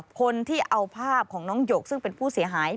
คนที่เอาภาพของน้องหยกซึ่งเป็นผู้เสียหาย